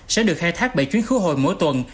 sẽ được khai thác bảy chuyến khứa hồi mỗi tuần